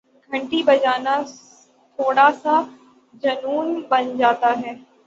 گھنٹی بجانا تھوڑا سا جنون بن جاتا ہے